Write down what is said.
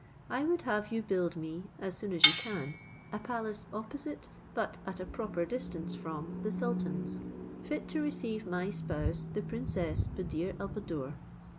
I would have you build me, as soon as you can, a palace opposite, but at a proper distance from the sultan's, fit to receive my spouse the princess Buddir al Buddoor.